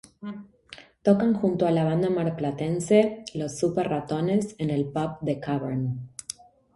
Tocan junto a la banda marplatense Los Súper Ratones en el pub "The Cavern".